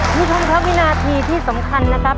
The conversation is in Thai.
นี่ครับคุณครับมีหน้าทีที่สำคัญนะครับ